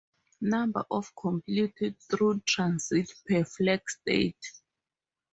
Number of complete through transits per flag state.